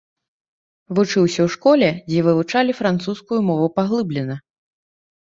Вучыўся ў школе, дзе вывучалі французскую мову паглыблена.